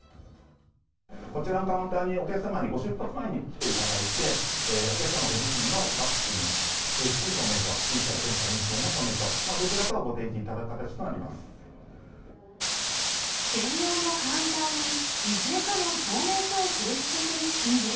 こちらのカウンターに、お客様にご出発前に来ていただいて、お客様ご自身のワクチン接種証明書、ＰＣＲ検査陰性の証明書、どちらかをご提示いただく形となります。